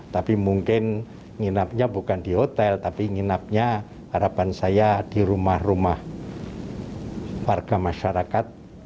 tapi mungkin nginapnya bukan di hotel tapi nginapnya harapan saya di rumah rumah warga masyarakat